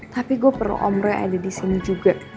tapi gue perlu om roy ada disini juga